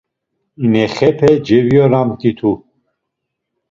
İnexepe ceviyonamt̆itu.